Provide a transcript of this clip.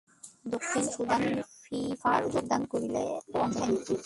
দক্ষিণ সুদান ফিফায় যোগদান করলেও অংশ নেয়নি।